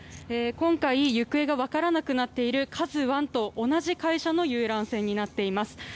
今回行方が分からなくなっている「ＫＡＺＵ１」と同じ会社の遊覧船です。